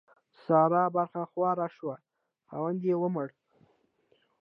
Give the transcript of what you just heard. د سارا برخه خواره شوه؛ خاوند يې ومړ.